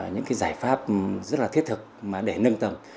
những cái giải pháp rất là thiết thực để nâng tầm